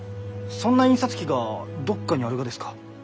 そんな印刷機がどっかにあるがですか？